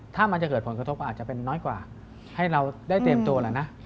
ถ้ามันจะเกิดผลกระทบก็อาจจะเป็นน้อยกว่าให้เราได้เตรียมตัวแล้วนะ